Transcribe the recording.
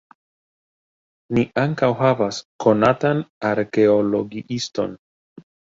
Ni ankaŭ havas konatan arkeologiiston.